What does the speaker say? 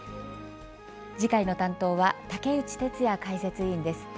次回の担当は竹内哲哉解説委員です。